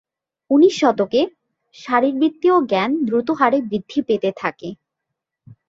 উনিশ শতকে, শারীরবৃত্তীয় জ্ঞান দ্রুত হারে বৃদ্ধি পেতে থাকে।